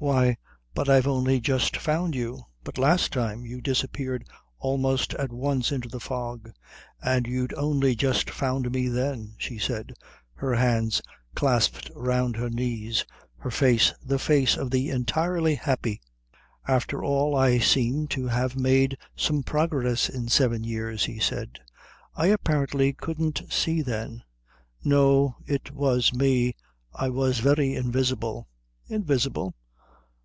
"Why, but I've only just found you." "But last time you disappeared almost at once into the fog, and you'd only just found me then," she said, her hands clasped round her knees, her face the face of the entirely happy. "After all I seem to have made some progress in seven years," he said. "I apparently couldn't see then." "No, it was me. I was very invisible " "Invisible?"